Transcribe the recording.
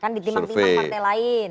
kan di timang timang partai lain